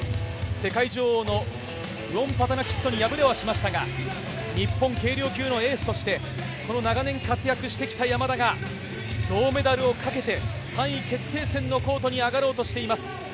世界女王のボグダノビッチに敗れましたが日本軽量級のエースとして長年活躍してきた山田が銅メダルをかけて３位決定戦のコートに上がろうと思います。